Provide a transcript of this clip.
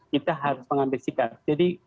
kita harus mengambil sikap jadi